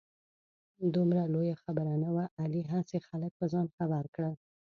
دومره لویه خبره نه وه. علي هسې خلک په ځان خبر کړ.